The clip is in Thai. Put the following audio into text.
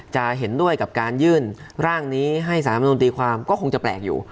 จะเห็นด้วยกับการยื่นร่างนี้ให้สารมนุนตีความก็คงจะแปลกอยู่